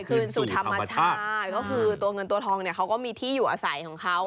คืนสู่ธรรมชาติก็คือตัวเงินตัวทองเนี่ยเขาก็มีที่อยู่อาศัยของเขา